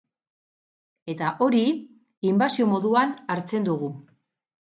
Eta hori inbasio moduan hartzen dugu.